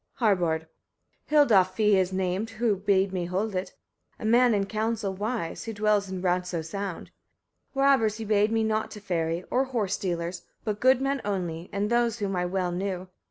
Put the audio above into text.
Harbard. 8. Hildolf fief is named who bade me hold it, a man in council wise, who dwells in Radso sound. Robbers he bade me not to ferry, or horse stealers, but good men only, and those whom I well knew.